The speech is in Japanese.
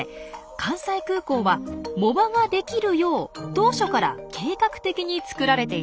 関西空港は藻場ができるよう当初から計画的に造られていたんです。